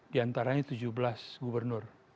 di antaranya tujuh belas gubernur